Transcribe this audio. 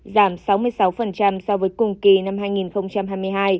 giảm sáu mươi sáu so với cùng kỳ năm hai nghìn hai mươi hai